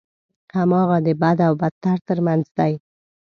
هماغه د بد او بدتر ترمنځ دی.